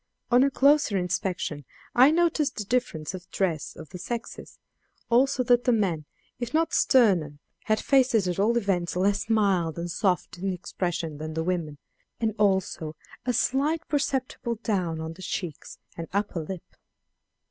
On a closer inspection I noticed the difference of dress of the sexes; also that the men, if not sterner, had faces at all events less mild and soft in expression than the women, and also a slight perceptible down on the cheeks and upper lip.